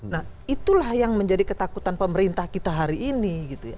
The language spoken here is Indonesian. nah itulah yang menjadi ketakutan pemerintah kita hari ini